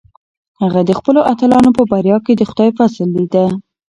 هغه د خپلو اتلانو په بریا کې د خدای فضل لیده.